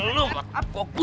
lo buat apa